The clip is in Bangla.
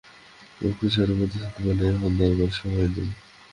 রুক্ষস্বরে মধুসূদন বললে, এখন দরবারের সময় নেই।